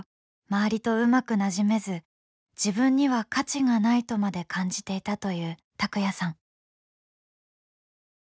周りとうまくなじめず自分には価値がないとまで感じていたという、たくやさん。